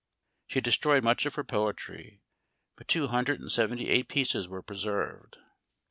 She destroyed much of her poetry, but two hundred and seventy eight pieces were preserved.